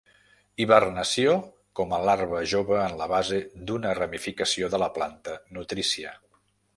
Hibernació com a larva jove en la base d'una ramificació de la planta nutrícia.